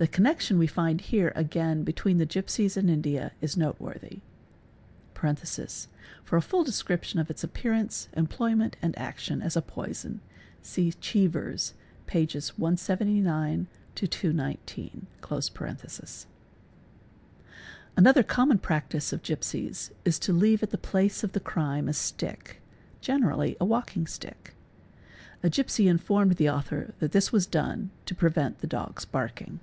The connection we find here again between the sies and India is noteworthy. (For a full description of its appear ice, employment, and action as a poison see Chevers, pp. 179—219.) aa BAnother common practice of gipsies is to leave at the place of the q e au. a stick, generally a walking stick. A gipsy informed the author a i this was done to prevent the dogs barking.